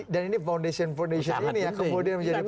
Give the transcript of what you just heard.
dan ini foundation foundation ini ya kemudian menjadi penting